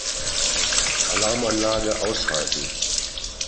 Alarmanlage ausschalten.